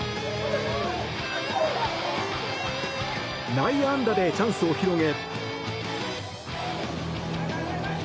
内野安打でチャンスを広げ。